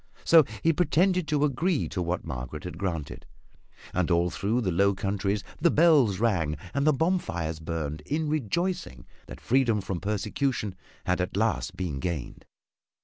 So he pretended to agree to what Margaret had granted, and all through the Low Countries the bells rang and the bonfires burned in rejoicing that freedom from persecution had at last been gained.